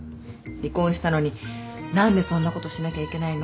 離婚したのに何でそんなことしなきゃいけないのって。